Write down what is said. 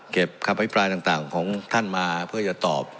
เก็บความพิพลาญต่างของท่านมาเพื่อจะตอบ